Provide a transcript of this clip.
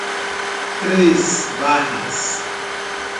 Três Barras